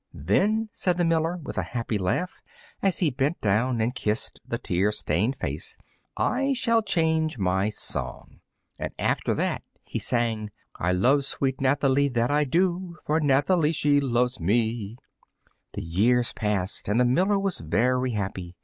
"Then," said the miller, with a happy laugh, as he bent down and kissed the tear stained face, "I shall change my song." And after that he sang: "I love sweet Nathalie, that I do, For Nathalie she loves me." The years passed by and the miller was very happy.